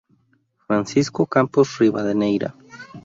Francisco Campos Rivadeneira.